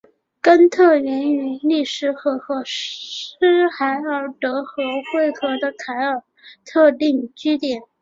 根特源于利斯河和斯海尔德河汇合的凯尔特定居点。